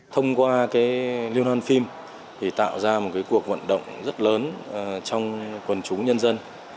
thông qua liên hoàn phim tạo ra một cuộc vận động rất lớn trong quần chú nhân dân